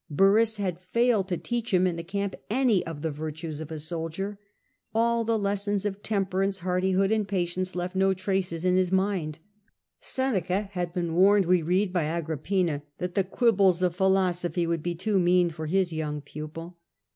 Burrhus had failed to teach him in the camp any of the virtues of a soldier ; all the lessons of temperance, hardihood, and patience left no traces in his mind. Seneca had been warned, we read, by Agrippina that the quibbles of philosophy would be too mean for his young pupil.